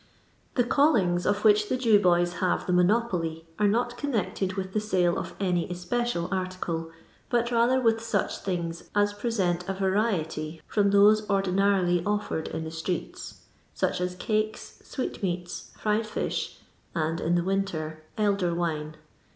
The callings of which the Jew boys have the monopoly arc not connected with the sale of any especial article, but rather with such things as pre sent a variety from those ordinarily offered in the streets, such as cakes, sweetmeats, fried fish, and (in the winter) elder wine.